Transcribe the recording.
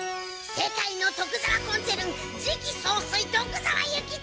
世界の徳沢コンツェルン次期総帥徳沢諭吉！